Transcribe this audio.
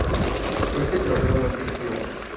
Este trofeo no existió.